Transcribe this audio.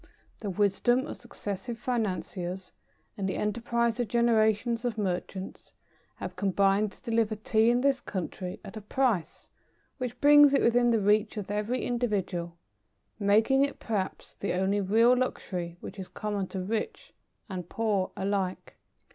The wisdom of successive financiers, and the enterprise of generations of merchants, have combined to deliver Tea in this country at a price which brings it within the reach of every individual, making it, perhaps, the only real luxury which is common to rich and poor alike.